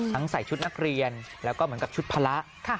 ใส่ชุดนักเรียนแล้วก็เหมือนกับชุดพละ